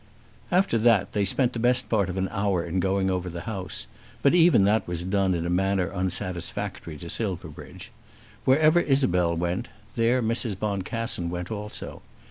After that they spent the best part of an hour in going over the house; but even that was done in a manner unsatisfactory to Silverbridge. Wherever Isabel went, there Mrs. Boncassen went also.